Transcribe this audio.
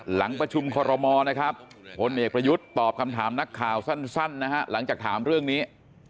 หลังประชุมคอรมอนะครับพลเอกประยุทธ์ตอบคำถามนักข่าวสั้นนะฮะหลังจากถามเรื่องนี้